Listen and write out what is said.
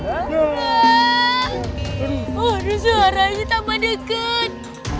aduh suaranya tambah deket